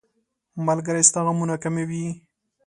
ملګری ستا غمونه کموي.